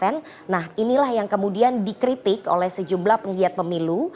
nah inilah yang kemudian dikritik oleh sejumlah penggiat pemilu